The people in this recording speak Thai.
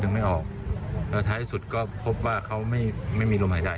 แล้วท้ายสุดก็พบว่าเค้าไม่มีลมหายใด